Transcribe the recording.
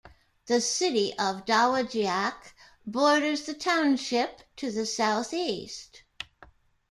The city of Dowagiac borders the township to the southeast.